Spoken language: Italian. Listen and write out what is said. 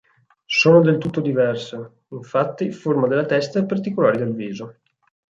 Sono del tutto diverse, infatti, forma della testa e particolari del viso.